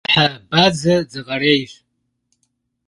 Bjıhe badze dzakherêyş.